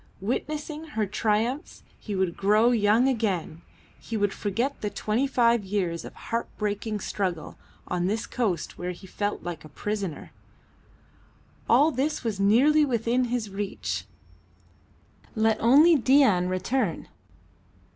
Witnessing her triumphs he would grow young again, he would forget the twenty five years of heart breaking struggle on this coast where he felt like a prisoner. All this was nearly within his reach. Let only Dain return!